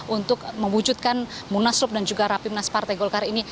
untuk mewujudkan munaslup dan juga rapim naspartai golkar ini